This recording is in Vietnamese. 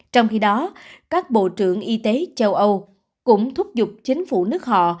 trong khi đó các bộ trưởng y tế châu âu cũng thúc giục chính phủ nước họ